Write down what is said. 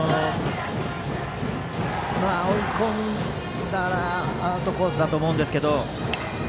追い込んだら、アウトコースと思うんですが。